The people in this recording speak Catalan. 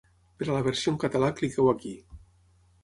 Per a la versió en català cliqueu aquí.